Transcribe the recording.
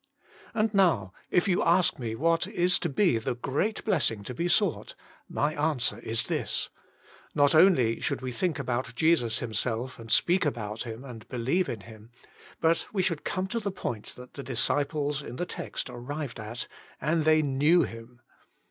And now if you ask me what is to be the great blessing to be sought, my answer is this : Not only should we think about Jesus Himself and speak about Him and believe in Him, but we should come to the point that the disciples in the text arrived at, *^and they knew Him."